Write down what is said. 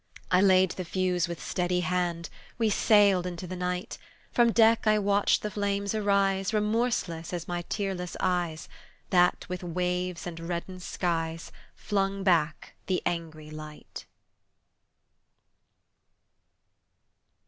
I laid the fuse with steady hand; We sailed into the night, From deck I watched the flames arise Remorseless as my tearless eyes That, with the waves and reddened skies, Flung back the angry light.